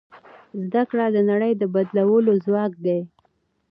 زده کړه د نړۍ د بدلولو ځواک دی.